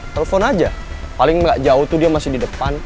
telepon aja paling nggak jauh tuh dia masih di depan